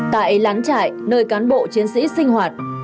tại lán trại nơi cán bộ chiến sĩ sinh hoạt